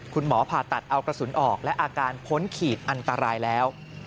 ผ่าตัดเอากระสุนออกและอาการพ้นขีดอันตรายแล้ว